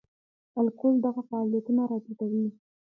الکول دغه فعالیتونه را ټیټوي.